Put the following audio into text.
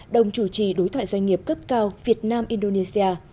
đồng chủ trì đối thoại doanh nghiệp cấp cao việt nam indonesia